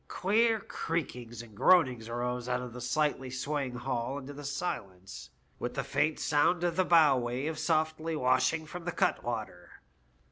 Queer creakings and groanings arose out of the slightly swaying hull into the silence, with the faint sound of the bow wave softly washing from the cutwater.